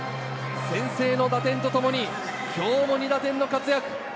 先制の打点とともに今日も２打点の活躍。